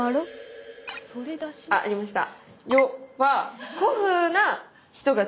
あありました。